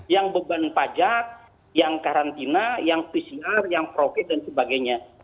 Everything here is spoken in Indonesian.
yang beban pajak yang karantina yang pcr yang profit dan sebagainya